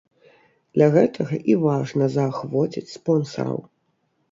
Для гэтага і важна заахвоціць спонсараў.